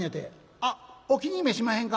「あっお気に召しまへんか？